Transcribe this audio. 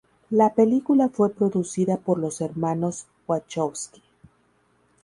La película fue producida por los hermanos Wachowski.